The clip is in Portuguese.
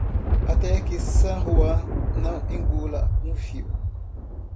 Até que San Juan não engula um fio.